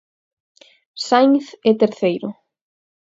Sainz é terceiro.